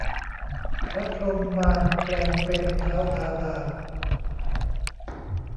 พระพรหมานแปลงเป็นท้าวธาดา